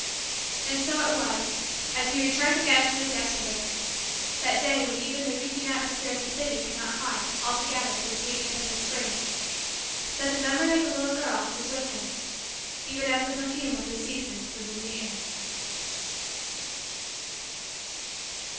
And so it was, as he returned again from his Yesterdays, that day when even the reeking atmosphere of the city could not hide, altogether, the sweetness of the spring, that the memory of the little girl was with him even as the perfume of the season was in the air.